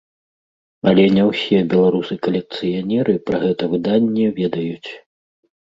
Але не ўсе беларусы-калекцыянеры пра гэта выданне ведаюць.